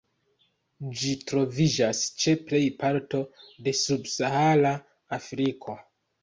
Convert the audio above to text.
Ĝi troviĝas ĉe plej parto de Subsahara Afriko.